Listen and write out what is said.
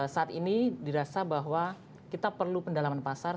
saat ini dirasa bahwa kita perlu pendalaman pasar